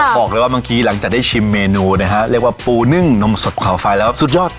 บอกเลยว่าเมื่อกี้หลังจากได้ชิมเมนูนะฮะเรียกว่าปูนึ่งนมสดขาวไฟแล้วสุดยอด